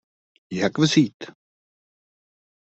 Jak vzít?